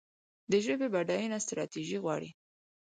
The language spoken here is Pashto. د ژبې بډاینه ستراتیژي غواړي.